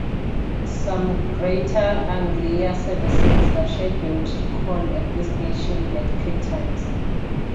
Some Greater Anglia services are scheduled to call at this station at peak times.